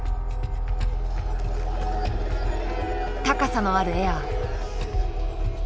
高さのあるエア。